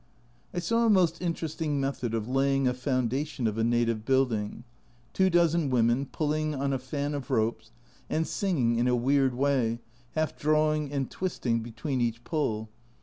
I saw a most interesting method of laying a foundation of a native building two dozen women pulling on a fan of ropes, and singing in a weird way, half drawing and twisting between each pull.